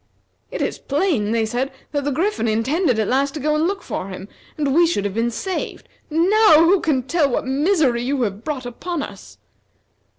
"It is plain," they said, "that the Griffin intended at last to go and look for him, and we should have been saved. Now who can tell what misery you have brought upon us."